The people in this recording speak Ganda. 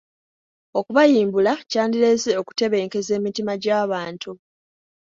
Okubayimbula kyandireese okutebenkeza emitima gy'abantu.